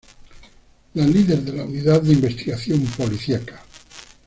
La líder de la unidad de investigación policiaca.